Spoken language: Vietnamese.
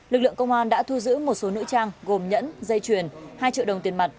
lực lượng công an đã thu giữ một số nữ trang gồm nhẫn dây chuyền hai triệu đồng tiền mặt